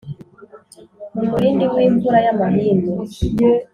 mu murindi w’imvura y’amahindu.